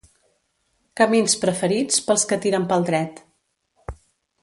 Camins preferits pels que tiren pel dret.